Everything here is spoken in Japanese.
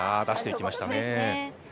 出していきましたね。